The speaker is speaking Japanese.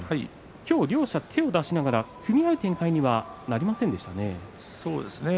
今日、両者、手を出しながら組み合う展開になりませんでしたね。